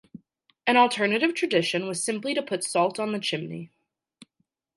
An alternative tradition was simply to put salt on the chimney.